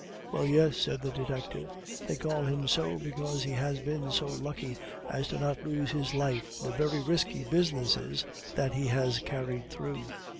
"Well, yes," said the detective. "They call him so because he has been so lucky as not to lose his life in the very risky businesses that he has carried through.